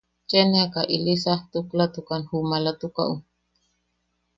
Cheeneaka ili saktujlatukan ju maalatukaʼu.